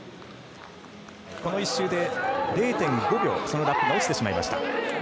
この１周で０．５秒そのラップが落ちてしまいました。